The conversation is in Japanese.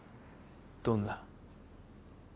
どんな？